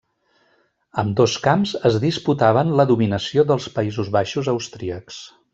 Ambdós camps es disputaven la dominació dels Països Baixos austríacs.